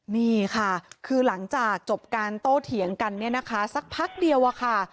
นี่ค่ะคือหลังจากจบการโตเถียงกันเนี่ยนะคะสักพักเดียวอะค่ะ